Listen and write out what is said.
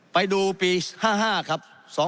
ไปดูปี๕๕ครับ๒๕๕๕